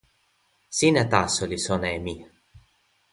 sina taso li sona e mi.